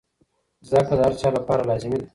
زده کړه د هر چا لپاره لازمي ده.